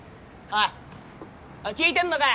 おい聞いてんのか？